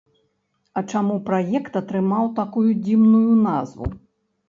А чаму праект атрымаў такую дзіўную назву?